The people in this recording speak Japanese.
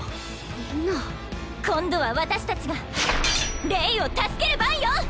みんな今度は私達がレイを助ける番よ！